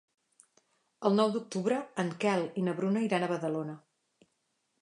El nou d'octubre en Quel i na Bruna iran a Badalona.